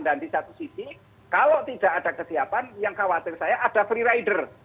dan di satu sisi kalau tidak ada kesiapan yang khawatir saya ada freerider